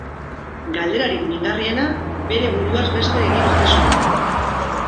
Galderarik mingarriena, bere buruaz beste egin ote zuen.